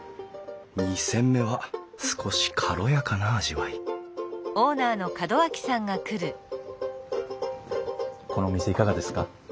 ２煎目は少し軽やかな味わいこの店いかがですか？